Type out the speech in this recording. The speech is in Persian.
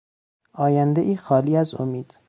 آیندهای خالی از امید